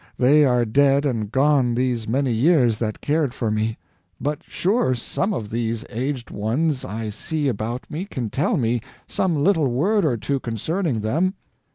They are dead and gone these many years that cared for me. But sure, some of these aged ones I see about me can tell me some little word or two concerning them."